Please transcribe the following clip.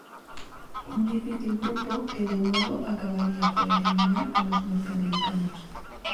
Un difícil grupo que de nuevo acabaría por eliminar a los norteamericanos.